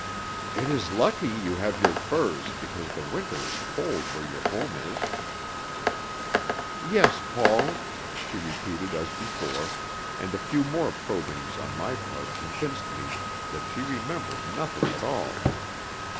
"It is lucky you have your furs, because the winter is cold where your home is." "Yes, Paul," she repeated as before, and a few more probings on my part convinced me that she remembered nothing at all.